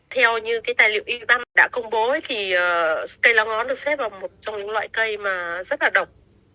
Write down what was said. theo như tài liệu y ban đã công bố cây la ngón được xếp vào một trong những loại cây rất là độc